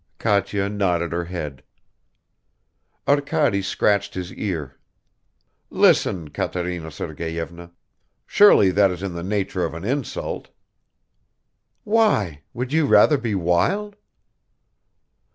Katya nodded her head. Arkady scratched his ear. "Listen, Katerina Sergeyevna, surely that is in the nature of an insult." "Why, would you rather be wild?"